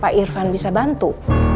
pak irfan bisa bantu